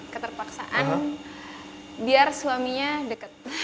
keterpaksaan biar suaminya deket